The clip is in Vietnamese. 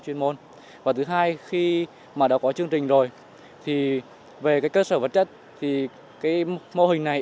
chuyên môn và thứ hai khi mà đã có chương trình rồi thì về cái cơ sở vật chất thì cái mô hình này